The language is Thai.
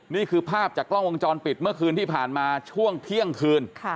นี่คือภาพจากกล้องวงจรปิดเมื่อคืนที่ผ่านมาช่วงเที่ยงคืน